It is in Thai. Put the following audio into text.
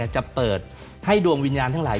จะเปิดให้ดวงวิญญาณทั้งหลาย